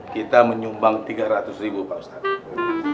kita menyumbang tiga ratus ribu pak ustadz